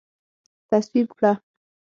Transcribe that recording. تصویب کړه